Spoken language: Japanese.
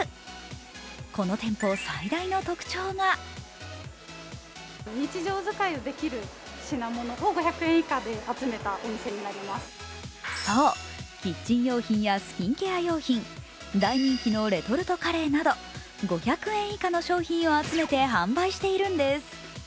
この店舗、最大の特徴がそう、キッチン用品やスキンケア用品、大人気のレトルトカレーなど５００円以下の商品を集めて販売しているんです。